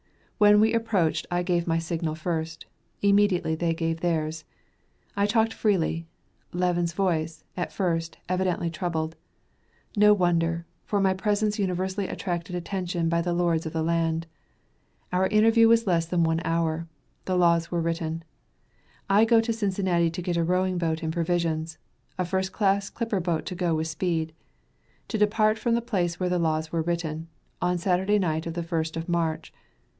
When we approached, I gave my signal first; immediately they gave theirs. I talked freely. Levin's voice, at first, evidently trembled. No wonder, for my presence universally attracted attention by the lords of the land. Our interview was less than one hour; the laws were written. I to go to Cincinnati to get a rowing boat and provisions; a first class clipper boat to go with speed. To depart from the place where the laws were written, on Saturday night of the first of March.